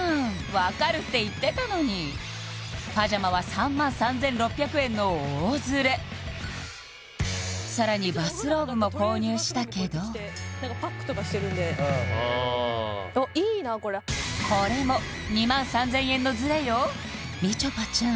わかるって言ってたのにパジャマは３万３６００円の大ズレさらにバスローブも購入したけど何かパックとかしてるんであああっいいなこれこれも２万３０００円のズレよみちょぱちゃん